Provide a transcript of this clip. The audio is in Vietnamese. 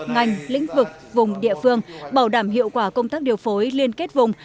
ngành lĩnh vực vùng địa phương bảo đảm hiệu quả công tác điều phối liên kết vùng